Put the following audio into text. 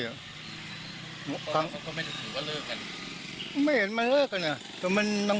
เท่าไหร่ครับเขาก็ไม่ได้ถึงว่าเลิกกัน